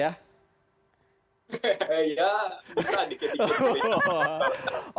ya bisa dikit dikit